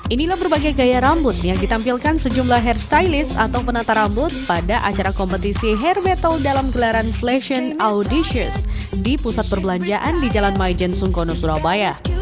inilah berbagai gaya rambut yang ditampilkan sejumlah hair stylist atau penata rambut pada acara kompetisi hair metal dalam gelaran flesh and audacious di pusat perbelanjaan di jalan majen sungkonus surabaya